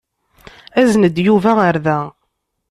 Azen-d Yuba ɣer da.